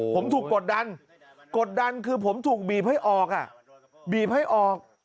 ผมถูกกดดันกดดันคือผมถูกบีบให้ออกบีบให้ออก